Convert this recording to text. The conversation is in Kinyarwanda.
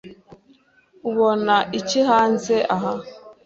Ubona iki hanze aha?